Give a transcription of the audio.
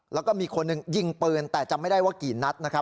แล้วก็มีคนหนึ่งยิงปืนแต่จำไม่ได้ว่ากี่นัดนะครับ